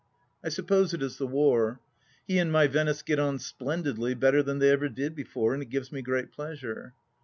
I suppose it is the war. He and my Venice get on splendidly, better than they ever did before, and it gives me great pleasure.